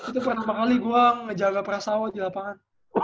itu pertama kali gue ngejaga perasaan lo di lapangan